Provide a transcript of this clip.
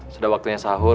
sudah waktunya sahur